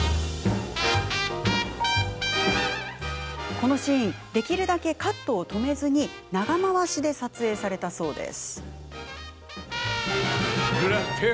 このシーンできるだけカットをかけずに長回しで撮影されたそうです。